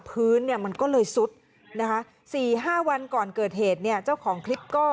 พื้นมันก็เลยซุดสี่ห้าวันก่อนเกิดเหตุเจ้าของคลิปก็